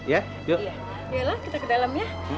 iya kita ke dalam ya